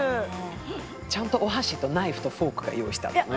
ちゃんとお箸とナイフとフォークが用意してあるのよ。